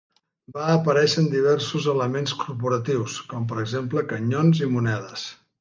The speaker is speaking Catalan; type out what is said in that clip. Va aparèixer en diversos elements corporatius, com per exemple canyons i monedes.